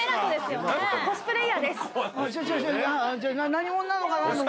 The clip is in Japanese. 何者なのかなと思って。